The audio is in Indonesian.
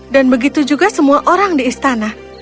dan begitu juga semua orang di istana